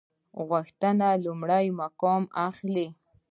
غوښتل لومړی مقام واخلي.